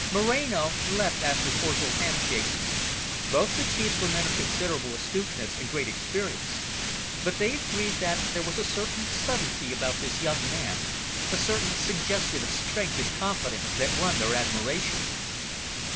Moreno left after cordial hand shaking. Both the Chiefs were men of considerable astuteness, and great experience. But they agreed that there was a certain subtlety about this young man, a certain suggestion of strength and confidence, that won their admiration.